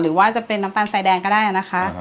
หรือว่าจะเป็นน้ำตาลสายแดงก็ได้นะคะ